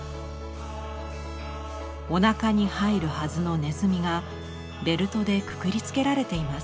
おなかに入るはずの鼠がベルトでくくりつけられています。